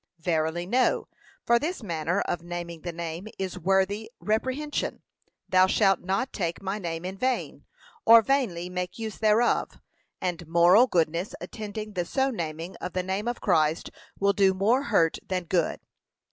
Verily no; for this manner of naming the name is worthy reprehension; 'Thou shalt not take my name in vain,' or vainly make use thereof: and moral goodness attending the so naming of the name of Christ will do more hurt than good.